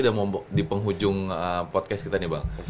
dan mau di penghujung podcast kita nih bang